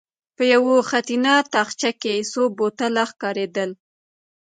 په يوه خټينه تاخچه کې څو بوتله ښکارېدل.